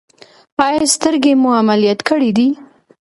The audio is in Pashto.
ایا سترګې مو عملیات کړي دي؟